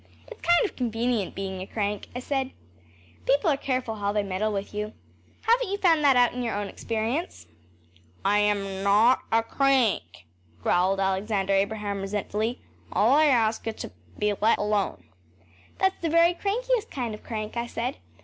‚ÄĚ “It’s kind of convenient being a crank,‚ÄĚ I said. “People are careful how they meddle with you. Haven’t you found that out in your own experience?‚ÄĚ “I am NOT a crank,‚ÄĚ growled Alexander Abraham resentfully. “All I ask is to be let alone.‚ÄĚ “That’s the very crankiest kind of crank,‚ÄĚ I said.